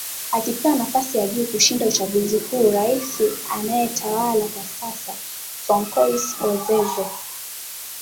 akipewa nafasi ya juu kushinda uchaguzi huo rais anayetawala kwa sasa francois bozeze